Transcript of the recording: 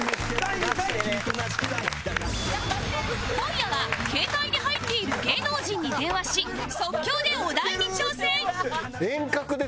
今夜は携帯に入っている芸能人に電話し即興でお題に挑戦